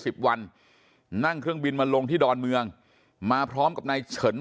สิบวันนั่งเครื่องบินมาลงที่ดอนเมืองมาพร้อมกับนายเฉิน